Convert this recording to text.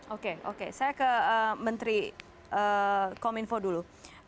oke oke saya ke menteri kominfo dulu